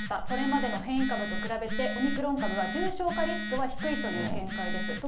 これまでの変異株と比べて、オミクロン株は重症化リスクは低いという見解です。